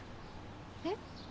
えっ？